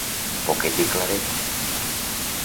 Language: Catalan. Poquet i claret.